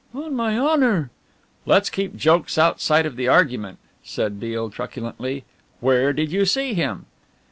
"On my honour " "Let's keep jokes outside of the argument," said Beale truculently, "where did you see him?"